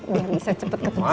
biar bisa cepet ke tempat